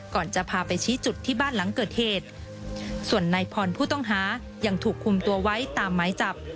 ก่อนจะพาไปชี้จุดที่บ้านหลังเกิดเหตุส่วนนายพรผู้ต้องหายังถูกคุมตัวไว้ตามหมายจับ